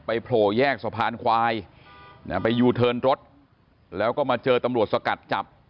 โผล่แยกสะพานควายไปยูเทิร์นรถแล้วก็มาเจอตำรวจสกัดจับ